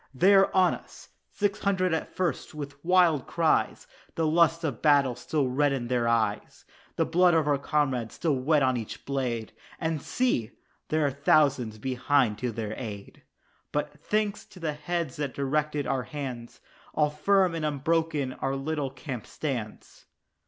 They are on us! Six hundred at first, with wild cries The lust of the battle still red in their eyes The blood of our comrades still wet on each blade, And see! there come thousands behind to their aid But, thanks to the heads that directed our hands, All firm and unbroken our little camp stands.